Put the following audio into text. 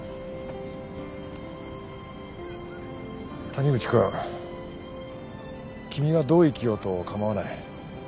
谷口君君がどう生きようと構わない。